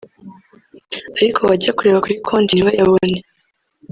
ariko bajya kureba kuri konti ntibayabone